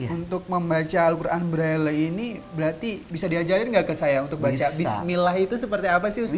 untuk membaca al quran braille ini berarti bisa diajarin nggak ke saya untuk baca bismillah itu seperti apa sih ustadz